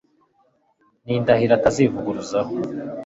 ni indahiro atazivuguruzaho